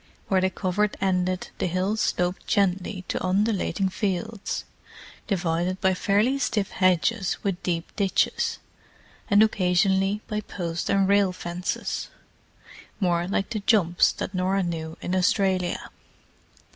Where the covert ended the hill sloped gently to undulating fields, divided by fairly stiff hedges with deep ditches, and occasionally by post and rail fences, more like the jumps that Norah knew in Australia.